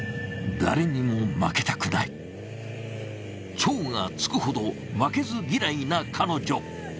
超が付くほど負けず嫌いな彼女。